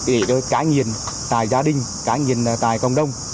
để cãi nghiện tại gia đình cãi nghiện tại cộng đồng